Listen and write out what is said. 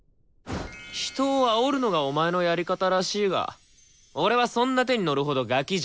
人をあおるのがお前のやり方らしいが俺はそんな手に乗るほどガキじゃない。